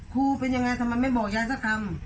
เป็นยังไงทำไมไม่บอกยายสักคำ